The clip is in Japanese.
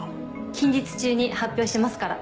近日中に発表しますから。